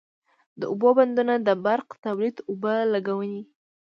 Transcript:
د اوبو بندونه د برق تولید، اوبو لګونی،